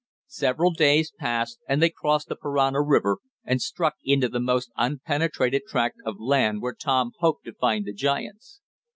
Several days passed, and they crossed the Parana river and struck into the almost unpenetrated tract of land where Tom hoped to find the giants.